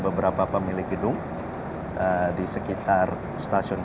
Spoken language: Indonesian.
beberapa pemilik gedung di sekitar stasiun